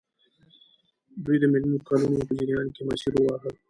دوی د میلیونونو کلونو په جریان کې مسیر وواهه.